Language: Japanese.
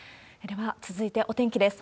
では、続いてお天気です。